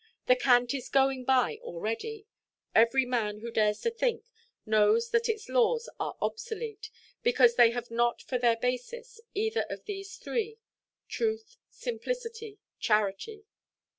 The cant is going by already. Every man who dares to think knows that its laws are obsolete, because they have not for their basis either of these three—truth, simplicity, charity.